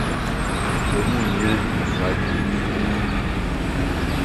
Wonnwen mmofra adwene bio.